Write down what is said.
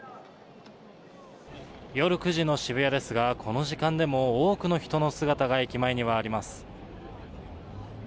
夜９時の渋谷ですが、この時間でも多くの人の姿が駅前にはあります。